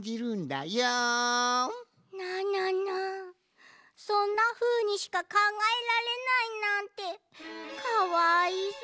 なななそんなふうにしかかんがえられないなんてかわいそう。